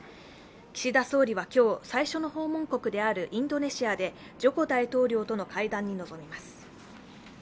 岸田総理は今日、最初の訪問国であるインドネシアでジョコ大統領との会談に臨みます。